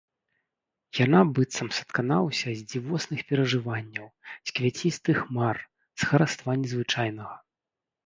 Яна быццам саткана ўся з дзівосных перажыванняў, з квяцістых мар, з хараства незвычайнага.